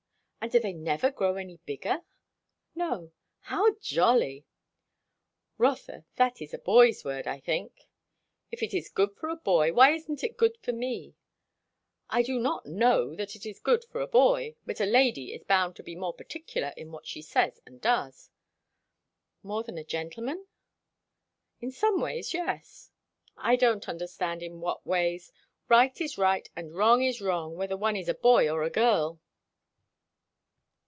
"And do they never grow any bigger?" "No." "How jolly!" "Rotha, that is a boy's word, I think." "If it is good for a boy, why isn't it good for me?" "I do not know that it is good for a boy. But a lady is bound to be more particular in what she says and does." "More than a gentleman?" "In some ways, yes." "I don't understand in what ways. Right is right, and wrong is wrong, whether one is a boy or a girl."